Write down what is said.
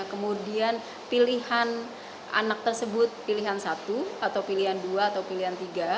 kemudian pilihan anak tersebut pilihan satu atau pilihan dua atau pilihan tiga